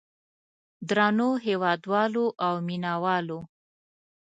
درنو هېوادوالو او مینه والو.